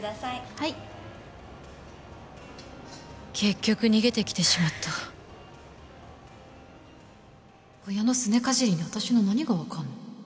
はい結局逃げてきてしまった親のすねかじりに私の何が分かんの